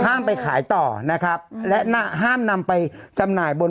ไปขายต่อนะครับและห้ามนำไปจำหน่ายบน